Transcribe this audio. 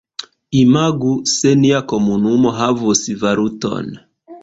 Imagu se nia komunumo havus valuton.